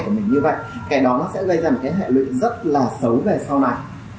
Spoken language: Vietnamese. cái đó nó sẽ gây ra một cái hệ lụy rất là xấu về sau này